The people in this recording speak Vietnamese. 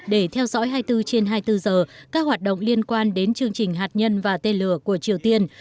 để theo dõi hai mươi bốn trên hai mươi bốn giờ các hoạt động liên quan đến chương trình hạt nhân và tên lửa của triều tiên